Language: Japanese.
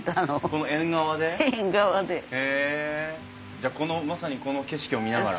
じゃあこのまさにこの景色を見ながら。